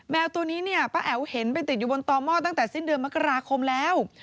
ตัวนี้เนี่ยป้าแอ๋วเห็นไปติดอยู่บนต่อหม้อตั้งแต่สิ้นเดือนมกราคมแล้ว